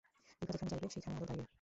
বিভা যেখানে যাইবে সেই খানেই আদর পাইবে।